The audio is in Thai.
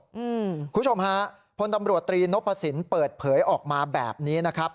คุณผู้ชมฮะพลตำรวจตรีนพสินเปิดเผยออกมาแบบนี้นะครับ